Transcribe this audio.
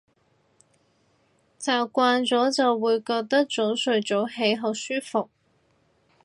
習慣咗就會覺得早睡早起好舒服